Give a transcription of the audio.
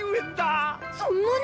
そんなに！